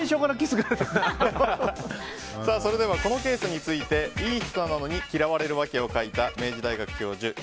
それではこのケースについて「いい人なのに嫌われるわけ」を書いた明治大学教授